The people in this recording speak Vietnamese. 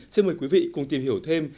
xin mời quý vị cùng tìm hiểu thêm